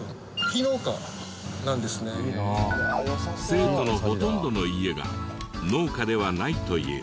生徒のほとんどの家が農家ではないという。